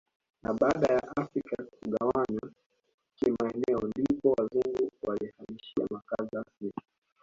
Na baada ya afrika kugawanywa kimaeneo ndipo wazungu walihamishia makazi rasmi